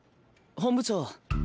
本部長